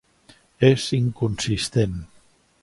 És inconsistent.